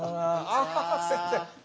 あっ先生。